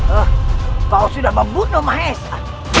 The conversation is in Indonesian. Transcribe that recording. eh kau sudah membunuh mahesa